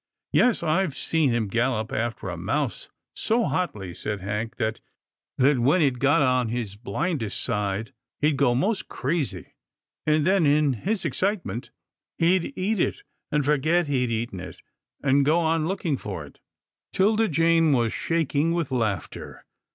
" Yes, and I've seen him gallop after a mouse so hotly," said Hank, " that, when it got on his blindest side, he'd go most crazy, and then in his excitement he'd eat it, and forget he'd eaten it, and go on looking for it." 'Tilda Jane was shaking with laughter.